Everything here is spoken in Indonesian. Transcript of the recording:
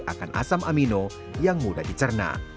akan asam amino yang mudah dicerna